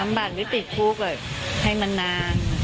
ลำบัดหรือติดภูมิให้มันนาน